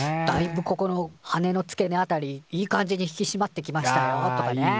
「だいぶここの羽の付け根辺りいい感じに引きしまってきましたよ」とかね。